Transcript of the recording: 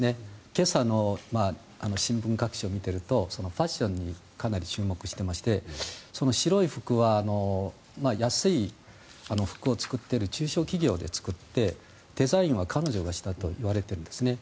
今朝の新聞各紙を見ているとファッションにかなり注目していまして白い服は安い服を作っている中小企業で作ってデザインは彼女がしたといわれているんですね。